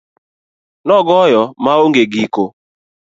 Nogoyo maong'e giko.